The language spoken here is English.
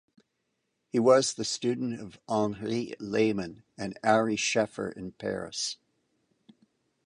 He was the student of Henri Lehmann and Ary Scheffer in Paris.